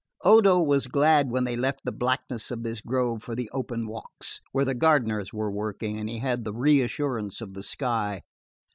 Odo was glad when they left the blackness of this grove for the open walks, where gardeners were working and he had the reassurance of the sky.